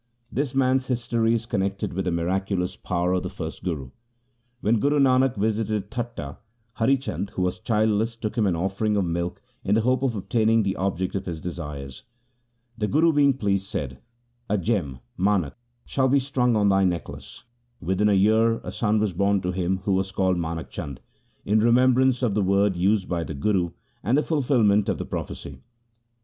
This man's history is connected with the miracu lous power of the first Guru. When Guru Nanak visited Thatha, Hari Chand who was childless took him an offering of milk in the hope of obtaining the object of his desires. The Guru being pleased, said, ' A gem (manak) shall be strung on thy necklace.' Within a year a son was born to him who was called Manak Chand, in remembrance of the word used by the Guru and the fulfilment of the prophecy.